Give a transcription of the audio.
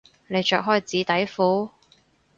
你着開紙底褲？